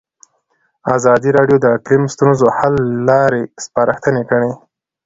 ازادي راډیو د اقلیم د ستونزو حل لارې سپارښتنې کړي.